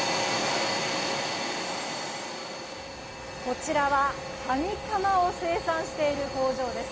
こちらはカニカマを生産している工場です。